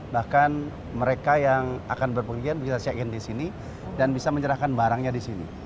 bahkan mereka yang akan berpergian bisa check in di sini dan bisa menyerahkan barangnya di sini